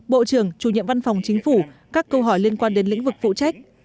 bộ trưởng chủ nhiệm văn phòng chính phủ các câu hỏi liên quan đến lĩnh vực phụ trách